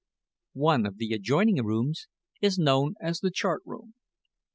One of the adjoining rooms is known as the Chart room.